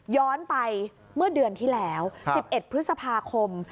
ย้อนไปเมื่อเดือนที่แล้ว๑๑พฤษภาคม